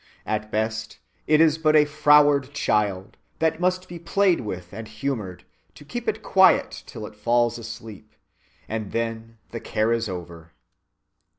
At best it is but a froward child, that must be played with and humored, to keep it quiet till it falls asleep, and then the care is over."